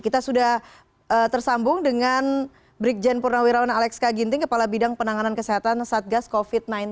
kita sudah tersambung dengan brigjen purnawirawan alex kaginting kepala bidang penanganan kesehatan satgas covid sembilan belas